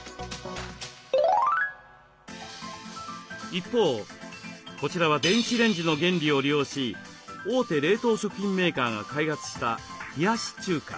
一方こちらは電子レンジの原理を利用し大手冷凍食品メーカーが開発した冷やし中華。